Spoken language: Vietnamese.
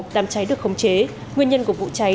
đám cháy được khống chế nguyên nhân của vụ cháy